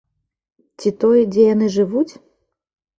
Ці той, дзе яны жывуць?